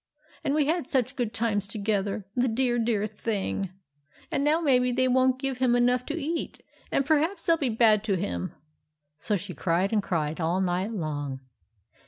And we had such good times together, — the dear, dear thing ! And now maybe they won't give him enough to eat, and perhaps they '11 be bad to him." So she cried and cried all night long.